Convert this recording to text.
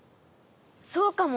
そうかも。